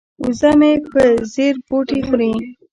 وزه مې په ځیر بوټي خوري.